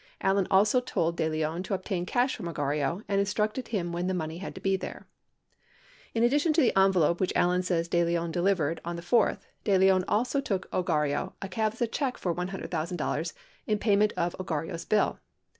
Allen also told De Leon to obtain cash from Ogarrio and instructed him when the money had to be there. In addition to the envelope which Allen says De Leon delivered on the 4th, De Leon also took Ogarrio a CAVSA check for $100,000 in payment of Ogarrio's bill.